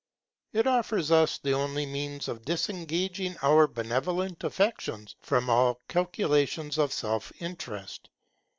It offers us the only means of disengaging our benevolent affections from all calculations of self interest.